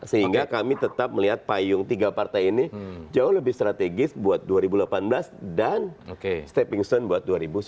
sehingga kami tetap melihat payung tiga partai ini jauh lebih strategis buat dua ribu delapan belas dan stepping stone buat dua ribu sembilan belas